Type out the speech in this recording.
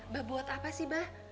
bah buat apa sih bah